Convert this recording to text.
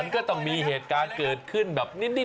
ก็ต้องมีเหตุการณ์เกิดขึ้นแบบนิด